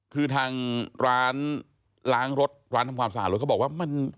คือทางร้านล้างรถร้านทำความสะอาดรถเขาบอกว่ามัน